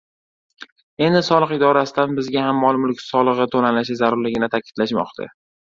Endi soliq idorasidan bizga ham mol-mulk soligʻi toʻlanishi zarurligini taʼkidlashmoqda.